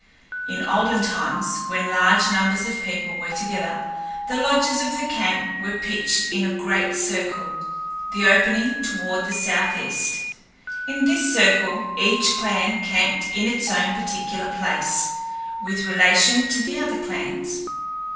In olden times, when large numbers of people were together, the lodges of the camp were pitched in a great circle, the opening toward the southeast. In this circle each clan camped in its own particular place with relation to the other clans.